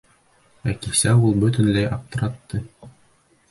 Ә кисә ул бөтөнләй аптыратты: